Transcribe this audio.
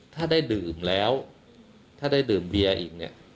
ถ้าได้ดื่มแล้วถ้าได้ดื่มเบียร์อีกเนี่ย